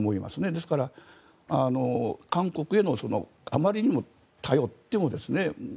ですから、韓国にあまりにも頼っても。